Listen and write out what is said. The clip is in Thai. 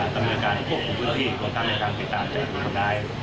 ธรรมดีการควบคุมพืชที่ตกใต้การคิดตามเจ็บหันได